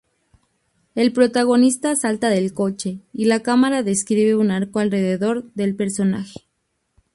El protagonista salta del coche y la cámara describe un arco alrededor del personaje.